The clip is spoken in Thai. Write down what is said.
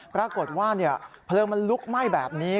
ปรากฏว่าเพลิงมันลุกไหม้แบบนี้